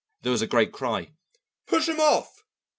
There was a great cry. "Push him off!